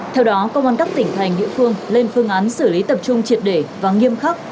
theo đó công an các tỉnh thành địa phương lên phương án xử lý tập trung triệt để và nghiêm khắc